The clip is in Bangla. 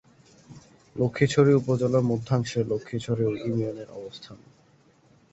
লক্ষ্মীছড়ি উপজেলার মধ্যাংশে লক্ষ্মীছড়ি ইউনিয়নের অবস্থান।